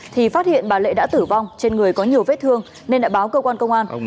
thì phát hiện bà lệ đã tử vong trên người có nhiều vết thương nên đã báo cơ quan công an